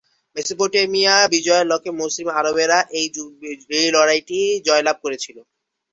Mesopotamia বিজয়ের লক্ষ্যে মুসলিম আরবরা এই লড়াইটি জয়লাভ করেছিল।